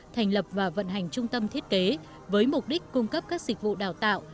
thành lập và vận hành trung tâm thiết kế với mục đích cung cấp các dịch vụ đào tạo